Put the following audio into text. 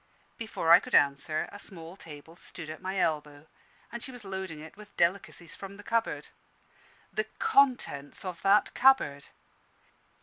Before I could answer, a small table stood at my elbow, and she was loading it with delicacies from the cupboard. The contents of that cupboard!